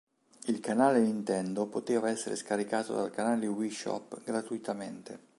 Il "Canale Nintendo" poteva essere scaricato dal "Canale Wii Shop" gratuitamente.